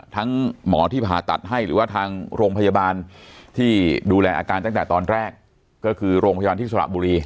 หมอที่ผ่าตัดให้หรือว่าทางโรงพยาบาลที่ดูแลอาการตั้งแต่ตอนแรกก็คือโรงพยาบาลที่สระบุรี